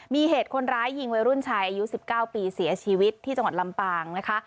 มีเหตุคนร้ายยิงวัยรุ่นชายอายุ๑๙ปีเสียชีวิตที่จังหวัดลำปางนะคะ